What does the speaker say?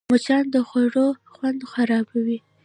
مچان د خوړو خوند خرابوي